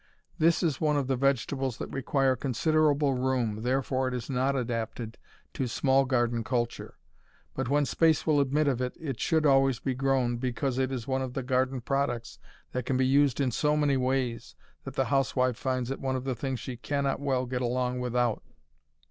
This is one of the vegetables that require considerable room, therefore it is not adapted to small garden culture. But when space will admit of it it should always be grown, because it is one of the garden products that can be used in so many ways that the housewife finds it one of the things she cannot well get along without.